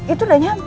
itu udah nyampe